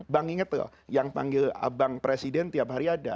bang inget loh yang panggil abang presiden tiap hari ada